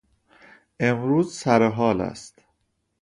امروز سرحال است.